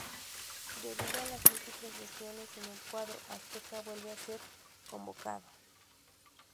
Debido a las múltiples lesiones en el cuadro Azteca vuelve a ser convocado.